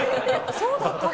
そうだったの？